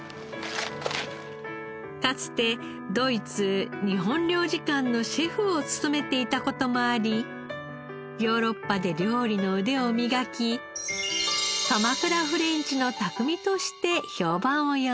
かつてドイツ日本領事館のシェフを務めていた事もありヨーロッパで料理の腕を磨き鎌倉フレンチの匠として評判を呼んでいます。